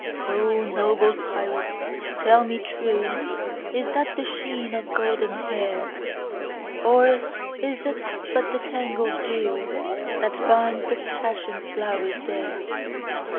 O noble pilot tell me trueIs that the sheen of golden hair? Or is it but the tangled dewThat binds the passion flowers there?